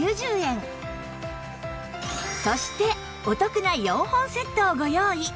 そしてお得な４本セットをご用意